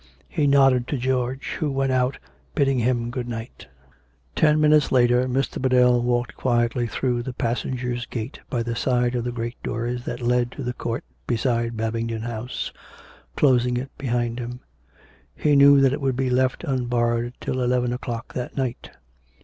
He nodded to George, who went out, bidding him good night. Ten minutes later Mr. Biddell walked quietly through the passengers' gate by the side of the great doors that led to the court beside Babington House, closing it behind him. He knew that it would be left unbarred till eleven o'clock that night.